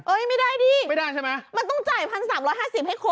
ไม่ได้ดิไม่ได้ใช่ไหมมันต้องจ่าย๑๓๕๐ให้คน